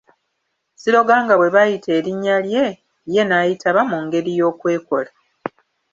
Siroganga bwe baayita erinnya lye, ye n'ayitaba mu ngeri y'okwekola.